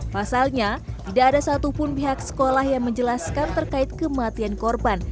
pasalnya tidak ada satupun pihak sekolah yang menjelaskan terkait kematian korban